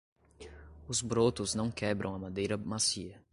Os brotos não quebram a madeira macia.